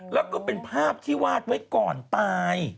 แล้วก็เป็นภาพที่วาดไว้ก่อนตาย